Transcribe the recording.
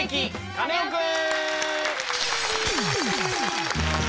カネオくん」。